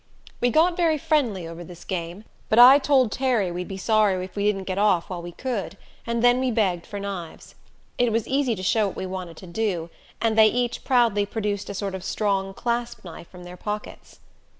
We got very friendly over this game, but I told Terry we'd be sorry if we didn't get off while we could, and then we begged for knives. It was easy to show what we wanted to do, and they each proudly produced a sort of strong clasp knife from their pockets.